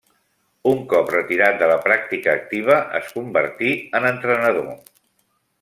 Un cop retirat de la pràctica activa es convertí en entrenador.